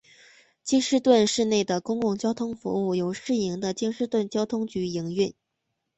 京士顿市内的公共交通服务由市营的京士顿交通局营运。